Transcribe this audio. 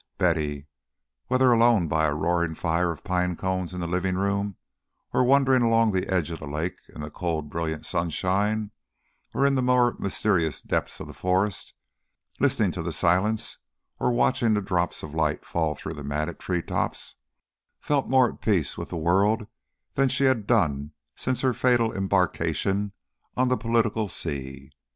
Betty, whether alone by a roaring fire of pine cones in the living room, or wandering along the edge of the lake in the cold brilliant sunshine, or in the more mysterious depths of the forest, listening to the silence or watching the drops of light fall through the matted treetops, felt more at peace with the world than she had done since her fatal embarkation on the political sea.